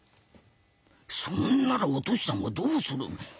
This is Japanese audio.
そんならお敏さんはどうする。